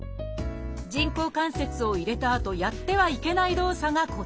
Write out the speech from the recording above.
人工関節を入れたあとやってはいけない動作がこちら。